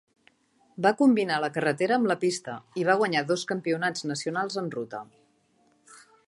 Va combinar la carretera amb la pista i va guanyar dos campionats nacionals en ruta.